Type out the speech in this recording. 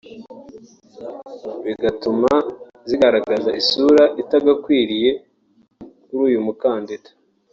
bigatuma zigaragaza isura itagakwiriye kuri uyu mukandida